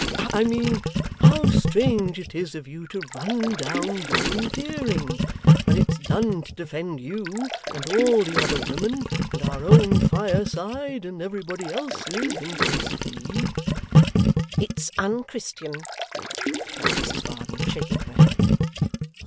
I mean, how strange it is of you to run down volunteering, when it's done to defend you and all the other women, and our own fireside and everybody else's, in case of need.' 'It's unchristian,' cried Mrs Varden, shaking her head.